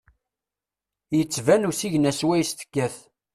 Yettban usigna swayes tekkat.